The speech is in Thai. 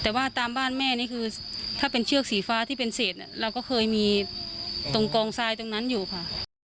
แต่ว่าตามบ้านแม่นี่คือถ้าเป็นเชือกสีฟ้าที่เป็นเศษเราก็เคยมีตรงกองทรายตรงนั้นอยู่ค่ะ